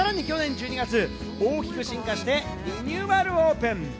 さらに去年１２月、大きく進化してリニューアルオープン。